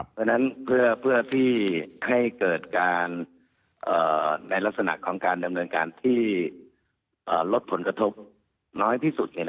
เพราะฉะนั้นเพื่อที่ให้เกิดการในลักษณะของการดำเนินการที่ลดผลกระทบน้อยที่สุด